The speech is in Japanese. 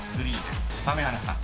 ［豆原さん